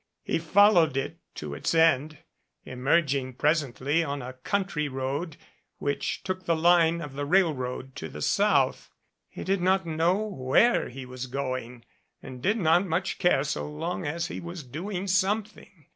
He followed it to (its end, emerging presently on a country road which took v the line of the railroad to the South. He did not know where he was going, and did not much care so long as he was doing something.